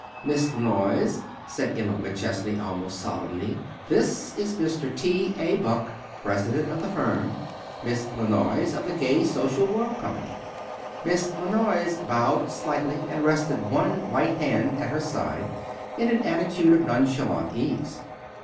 "Miss La Noyes," said Emma McChesney, almost solemnly, "this is Mr. T. A. Buck, president of the firm. Miss La Noyes, of the 'Gay Social Whirl' company." Miss La Noyes bowed slightly and rested one white hand at her side in an attitude of nonchalant ease.